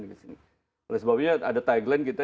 oleh sebabnya ada tagline kita